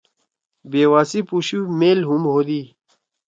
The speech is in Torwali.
بیوا سی پُشُو مئیل ہُم ہودی۔